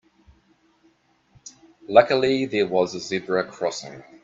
Luckily there was a zebra crossing.